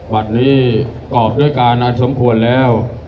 บัตรนี้กรอบด้วยการอันสมควรแล้ว